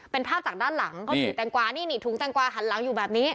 เป็นภาพจากด้านหลังเขาถือแตงกวานี่นี่ถุงแตงกวาหันหลังอยู่แบบนี้